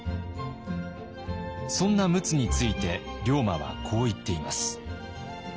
そんな陸奥について龍馬はこう言っています。